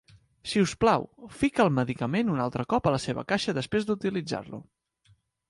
Si us plau, fica el medicament un altre cop a la seva caixa després d"utilitzar-lo.